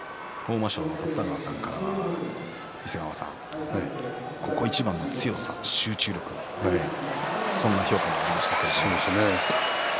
真将の立田川さんからはここいちばんの強さ、集中力そんな評価もありました。